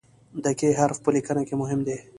د "ک" حرف په لیکنه کې مهم دی.